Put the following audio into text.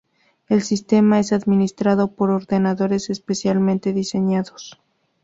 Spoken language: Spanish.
El sistema es administrado por ordenadores especialmente diseñados.